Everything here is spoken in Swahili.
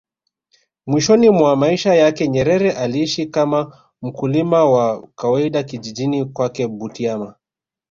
Mwishoni mwa maisha yake Nyerere aliishi kama mkulima wa kawaida kijijini kwake Butiama